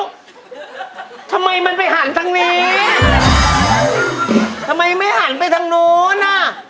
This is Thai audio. ทำไมมันไปหันทางนี้ทำไมไม่หันไปทางโน้นอ่ะ